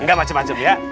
nggak macem macem ya